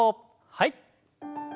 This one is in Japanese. はい。